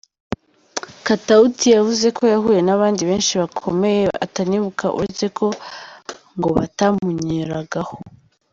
Katauti yavuze ko yahuye n’abandi benshi bakomeye atanibuka uretse ko ngo batamunyuragaho.